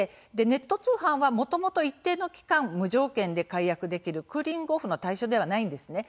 ネット通販はもともと一定の期間、無条件で解約できるクーリング・オフの対象ではないんですね。